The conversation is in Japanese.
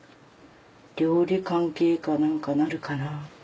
料理関係か何かなるかな？